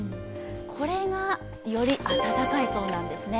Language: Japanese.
これがより温かいそうなんです。